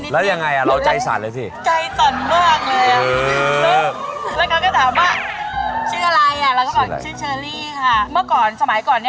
แล้วยังไงใจสั่นเลยนะ